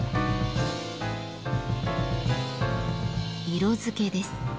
色付けです。